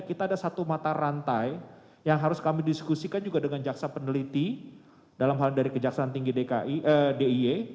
kita ada satu mata rantai yang harus kami diskusikan juga dengan jaksa peneliti dalam hal dari kejaksaan tinggi d i e